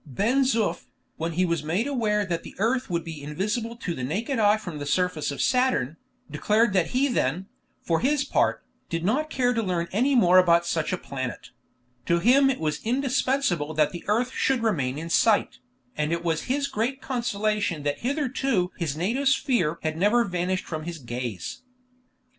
Ben Zoof, when he was made aware that the earth would be invisible to the naked eye from the surface of Saturn, declared that he then, for his part, did not care to learn any more about such a planet; to him it was indispensable that the earth should remain in sight, and it was his great consolation that hitherto his native sphere had never vanished from his gaze.